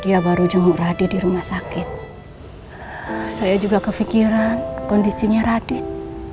dia baru johor radit di rumah sakit saya juga kefikiran kondisinya radit